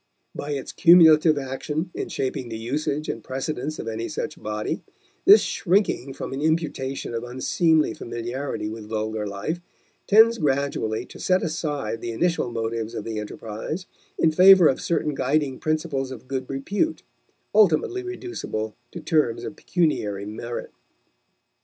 By its cumulative action in shaping the usage and precedents of any such body, this shrinking from an imputation of unseemly familiarity with vulgar life tends gradually to set aside the initial motives of the enterprise, in favor of certain guiding principles of good repute, ultimately reducible to terms of pecuniary merit.